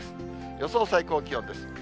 予想最高気温です。